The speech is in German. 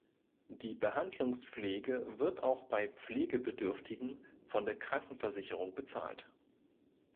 Die Behandlungspflege wird aber auch bei Pflegebedürftigen von der Krankenversicherung bezahlt.